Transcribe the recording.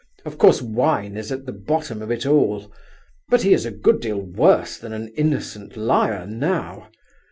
Of course, wine is at the bottom of it all; but he is a good deal worse than an innocent liar now.